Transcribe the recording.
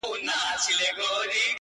سیاه پوسي ده، افغانستان دی،